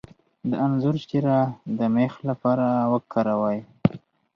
د انځر شیره د میخ لپاره وکاروئ